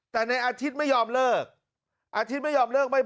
แม่งเรียน